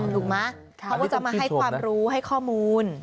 ถูกไหมเขาก็จะมาให้ความรู้ให้ข้อมูล